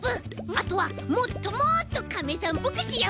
あとはもっともっとカメさんっぽくしようぜ。